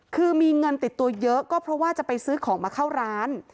คือมีเงินติดตัวเยอะก็เพราะว่าจะไปซื้อของมาเข้าร้าน